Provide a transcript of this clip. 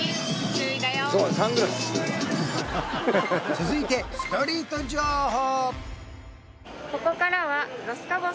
続いてストリート情報！